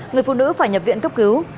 người phụ nữ phải nhập viện cấp cứu